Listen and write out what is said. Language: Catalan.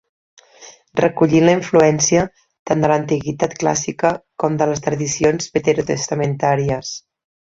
Recollint la influència tant de l'Antiguitat clàssica com de les tradicions veterotestamentàries...